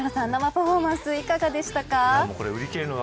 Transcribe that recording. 生パフォーマンスいかがでしたか。